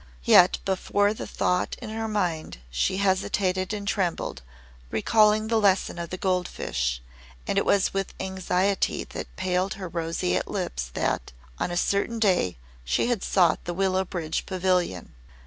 Yet, before the thought in her mind, she hesitated and trembled, recalling the lesson of the gold fish; and it was with anxiety that paled her roseate lips that, on a certain day, she had sought the Willow Bridge Pavilion.